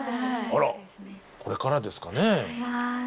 あらこれからですかね。